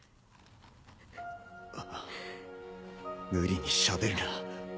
無理にしゃべるな。